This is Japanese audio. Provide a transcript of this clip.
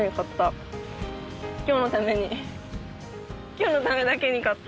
今日のためだけに買った。